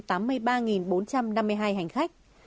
đã tăng lên tám mươi ba bốn trăm năm mươi hai hành khách